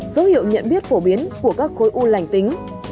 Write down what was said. dấu hiệu nhận biết phổ biến của các khối u lành tính